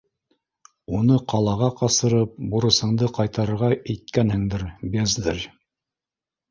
Уны ҡалаға ҡасырып, бурысыңды ҡайтарырға иткәнһеңдер, бездарь!